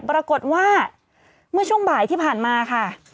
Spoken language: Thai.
ปรากฏว่าเมื่อช่วงบ่ายที่ผ่านมาค่ะ